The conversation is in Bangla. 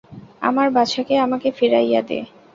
আমার বাছাকে আমাকে ফিরাইয়া দে।